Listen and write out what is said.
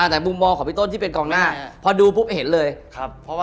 แต่มุมบอลของพี่ต้นที่เป็นกองหน้าพอดูปุ๊บเห็นเลยแตะไม่ได้